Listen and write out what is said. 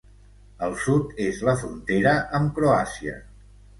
El sud és la frontera amb Croàcia.